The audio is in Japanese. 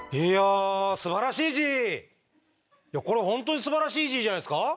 いやいやこれ本当に「すばらしいＧ！」じゃないですか？